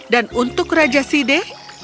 dan untuk raja side